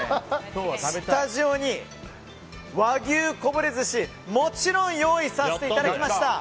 スタジオに和牛こぼれ寿司もちろん用意させていただきました！